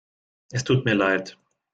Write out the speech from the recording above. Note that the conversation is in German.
Es tut mir leid.